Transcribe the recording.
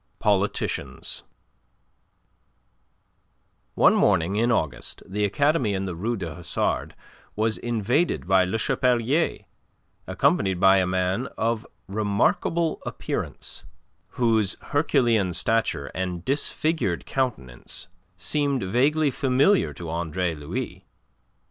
POLITICIANS One morning in August the academy in the Rue du Hasard was invaded by Le Chapelier accompanied by a man of remarkable appearance, whose herculean stature and disfigured countenance seemed vaguely familiar to Andre Louis.